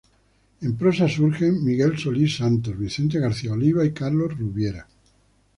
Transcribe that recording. En prosa surgen Miguel Solís Santos, Vicente García Oliva y Carlos Rubiera.